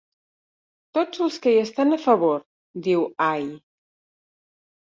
Tots els que hi estan a favor, diu Aye.